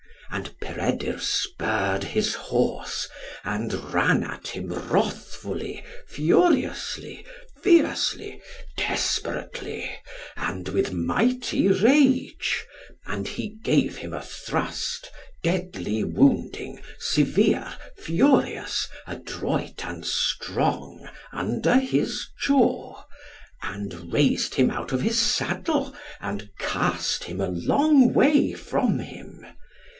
And Peredur spurred his horse, and ran at him wrathfully, furiously, fiercely, desperately, and with mighty rage, and he gave him a thrust, deadly wounding, severe, furious, adroit and strong, under his jaw, and raised him out of his saddle, and cast him a long way from him.